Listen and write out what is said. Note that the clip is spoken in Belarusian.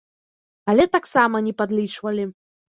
Але таксама не падлічвалі.